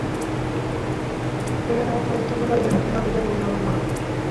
সেখানে, অন্য স্তন্যপায়ীদের সামনে আমি তাকে উদাহরণ বানাব।